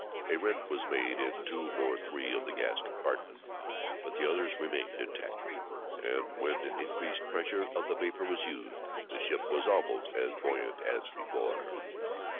A rent was made in two or three of the gas compartments, but the others remained intact, and, when an increased pressure of the vapor was used the ship was almost as buoyant as before.